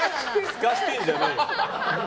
すかしてんじゃねえよ。